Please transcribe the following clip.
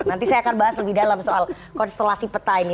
nanti saya akan bahas lebih dalam soal konstelasi peta ini